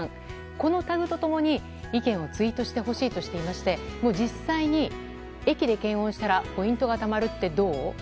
このタグと共に意見をツイートしてほしいとしていまして実際に駅で検温したらポイントたまるってどう？